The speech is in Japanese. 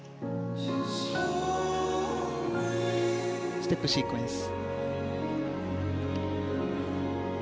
ステップシークエンス。